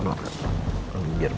andi sama aku mau bicara